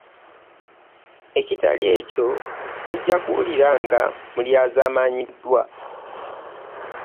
Ekitali ekyo muggya kuwulira nga mulyazamanyiddwa .